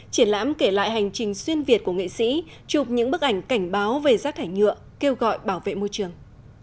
triển lãm kể lại hành trình xuyên việt của nghệ sĩ chụp những bức ảnh cảnh báo về rác thải nhựa kêu gọi bảo vệ môi trường